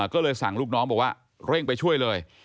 ก็เลยสั่งลูกน้องบอกว่าเร่งไปช่วยเลย